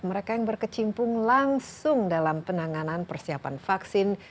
mereka yang berkecimpung langsung dalam penanganan persiapan vaksin